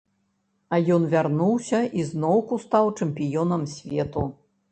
А ён вярнуўся і зноўку стаў чэмпіёнам свету.